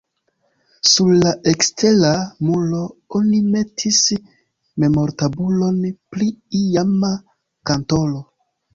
Sur la ekstera muro oni metis memortabulon pri iama kantoro.